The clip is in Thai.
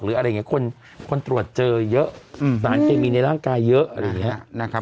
หรืออะไรอย่างนี้คนตรวจเจอเยอะสารเกมีในร่างกายเยอะ